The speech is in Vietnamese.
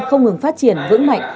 không ngừng phát triển vững mạnh